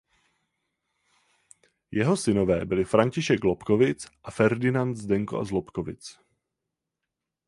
Jeho synové byli František Lobkowicz a Ferdinand Zdenko z Lobkowicz.